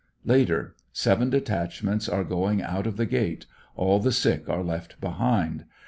Later. — Seven detachments are going, out of the gate; all the sick are left behind.